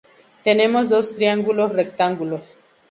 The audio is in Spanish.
Tenemos dos triángulos rectángulos.